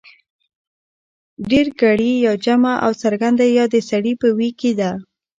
ډېرگړې يا جمع او څرگنده يا د سړي په ویي کې ده